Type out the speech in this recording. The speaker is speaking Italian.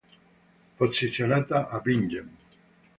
Posizionata a Bingen.